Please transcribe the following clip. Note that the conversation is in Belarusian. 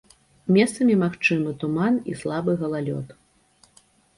Месцамі магчымы туман і слабы галалёд.